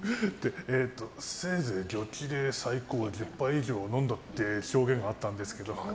せいぜいジョッキで最高１０杯以上飲んだって証言があったんですけど。